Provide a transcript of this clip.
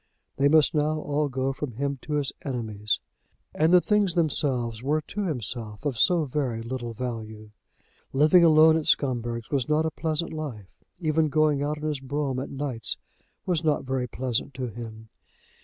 They must now all go from him to his enemies! And the things themselves were to himself of so very little value! Living alone at Scumberg's was not a pleasant life. Even going out in his brougham at nights was not very pleasant to him.